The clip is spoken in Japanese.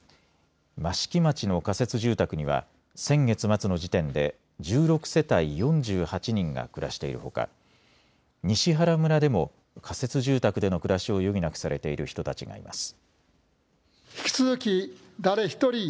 益城町の仮設住宅には先月末の時点で１６世帯４８人が暮らしているほか西原村でも仮設住宅での暮らしを余儀なくされている人たちがいます。